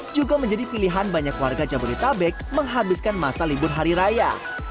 juga menjadi pilihan banyak warga jabodetabek menghabiskan masa libur hari raya